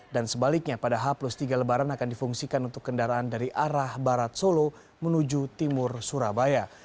dan sebaliknya pada h tiga lebaran akan difungsikan untuk kendaraan dari arah barat solo menuju timur surabaya